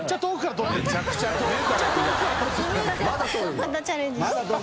またチャレンジしてる。